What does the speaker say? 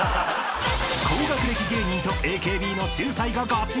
［高学歴芸人とＡＫＢの秀才ががちんこ対決］